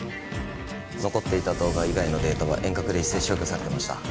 残っていた動画以外のデータは遠隔で一斉消去されてました